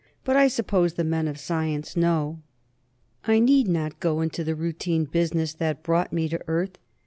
But I suppose the men of science know. I need not go into the routine business that brought me to Earth.